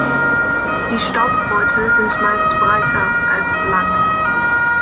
Die Staubbeutel sind meist breiter als lang.